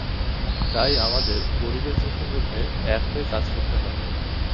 তাই আমাদের পরিবেশ দূষণরোধে এক হয়ে কাজ করতে হবে।